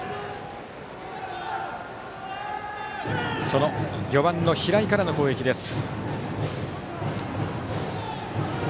その４番の平井からの攻撃です。